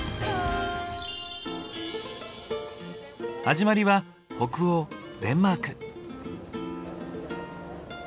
始まりは北欧デンマーク。